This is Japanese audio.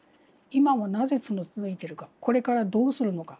今もなぜ続いてるかこれからどうするのか。